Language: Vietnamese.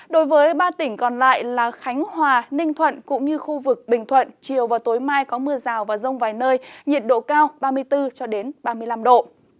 đối với ba tỉnh còn lại là khánh hòa ninh thuận cũng như khu vực bình thuận chiều và tối mai có mưa rào và rông vài nơi nhiệt độ cao ba mươi bốn ba mươi năm độ